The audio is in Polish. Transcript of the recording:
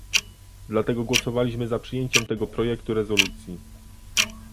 Dlatego głosowaliśmy za przyjęciem tego projektu rezolucji